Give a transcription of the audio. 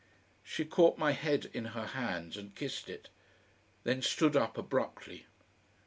She caught my head in her hands and kissed it, then stood up abruptly.